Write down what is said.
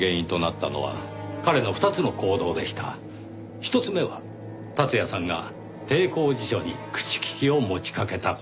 １つ目は達也さんが帝光地所に口利きを持ちかけた事。